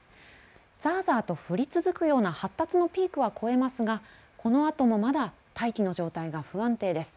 ざーざーと降り続くような発達のピークは越えますがこのあともまだ大気の状態が不安定です。